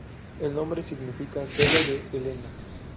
El nombre significa "Cerro de Helena".